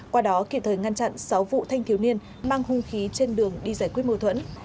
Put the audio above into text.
qua đó kịp thời ngăn chặn sáu vụ thanh thiếu niên mang hung khí trên đường đi giải quyết mâu thuẫn